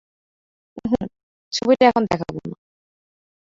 উঁহু, ছবিটা এখন দেখাব না।